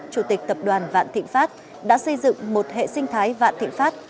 chủ tịch tập đoàn vạn thịnh pháp đã xây dựng một hệ sinh thái vạn thịnh pháp